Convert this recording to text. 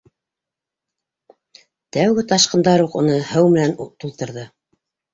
Тәүге ташҡындар уҡ уны һыу менән тултырҙы.